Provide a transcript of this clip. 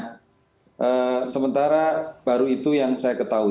nah sementara baru itu yang saya ketahui